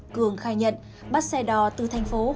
cường khai nhận bắt xe đò từ thành phố hồ chí minh